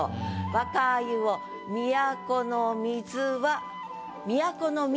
「若鮎を都の水は」。